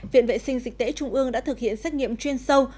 viện vệ sinh dịch tễ trung ương đã thực hiện xét nghiệm chuyên sâu